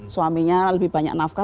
suaminya lebih banyak nafkah